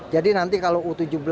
jadi nanti kalau u tujuh belas